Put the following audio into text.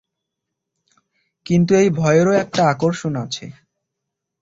কিন্তু এই ভয়েরও একটা আকর্ষণ আছে।